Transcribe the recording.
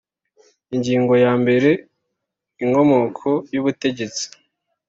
Ingingo ya mbere Inkomoko y ubutegetsi